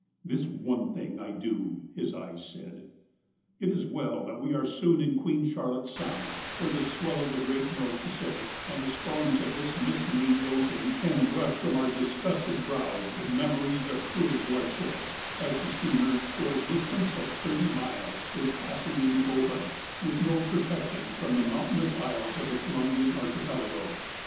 " This one thing I do," his eyes said. It is well that we are soon in Queen Charlotte Sound, where the swell of the great North Pacific, and the storms of this misnamed ocean, can brush from our dis gusted brows the memories of cruel bloodshed, as the steamer, for a distance of thirty miles, is passing in the open, with no protection from the mountainous isles of the Columbian Archipelago.